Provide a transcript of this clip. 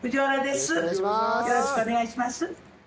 よろしくお願いします。